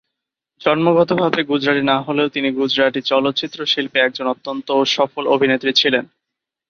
জন্মগতভাবে গুজরাটি না হলেও, তিনি গুজরাটি চলচ্চিত্র শিল্পে একজন অত্যন্ত সফল অভিনেত্রী ছিলেন।